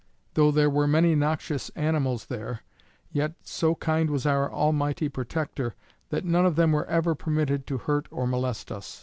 Though there were many noxious animals there; yet so kind was our Almighty protector, that none of them were ever permitted to hurt or molest us.